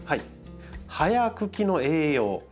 葉や茎の栄養。